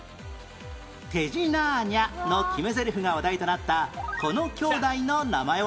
「てじなーにゃ」の決めゼリフが話題となったこの兄弟の名前は？